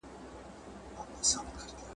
د لېوه بچی کوم چا وو پیدا کړی ..